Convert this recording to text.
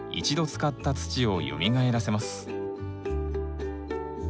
使った土をよみがえらせます。